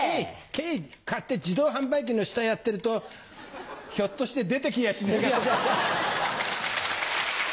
こうやって自動販売機の下やってるとひょっとして出てきやしねえかな。